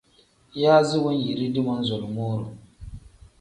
Yaazi wanyiridi manzulumuu-ro.